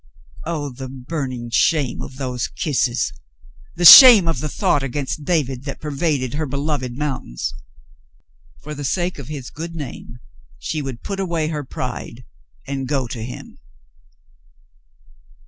Oh, the burning shame of those kisses ! The shame of the thought against David that pervaded her beloved mountains ! For the sake of his good name, she would put away her pride and go to him.